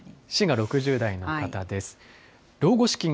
滋賀６０代の方です。